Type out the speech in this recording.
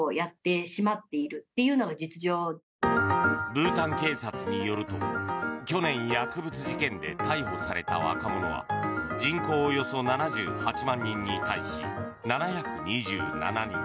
ブータン警察によると去年薬物事件で逮捕された若者は人口およそ７８万人に対し７２７人。